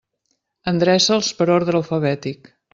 Endreça'ls per ordre alfabètic.